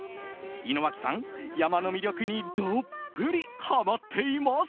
井之脇さん、山の魅力にどっぷりハマっています。